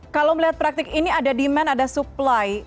kalau melihat praktik ini ada demand ada supply